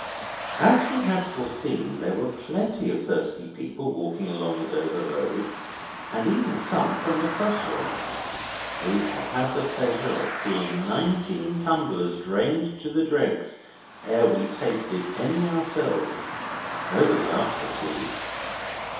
As we had foreseen, there were plenty of thirsty people walking along the Dover Road, and even some from the cross road. We had had the pleasure of seeing nineteen tumblers drained to the dregs ere we tasted any ourselves. Nobody asked for tea.